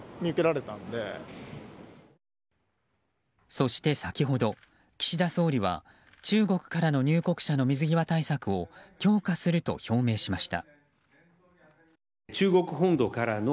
そして、先ほど岸田総理は中国からの入国者の水際対策を強化すると表明しました。